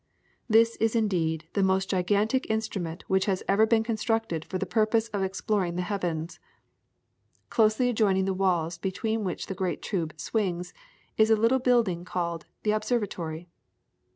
This is indeed the most gigantic instrument which has ever been constructed for the purpose of exploring the heavens. Closely adjoining the walls between which the great tube swings, is a little building called "The Observatory."